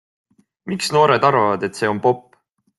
Miks noored arvavad, et see on pop?